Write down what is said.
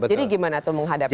jadi gimana tuh menghadapinya